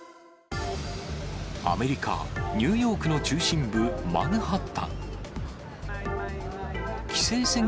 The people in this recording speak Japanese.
アメリカ・ニューヨークの中心部、マンハッタン。